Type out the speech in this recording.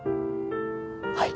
はい。